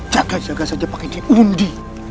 jaga jaga saja pakai diri undi